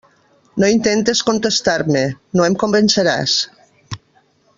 No intentes contestar-me; no em convenceràs.